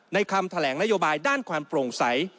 คำแถลงนโยบายด้านความโปร่งใส